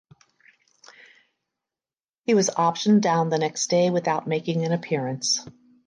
He was optioned down the next day without making an appearance.